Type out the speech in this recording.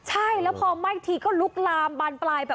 ใช่แล้วพอไม่ทีก็ลุกลามมาปลายแบบ